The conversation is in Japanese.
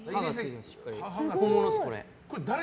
本物です、これ。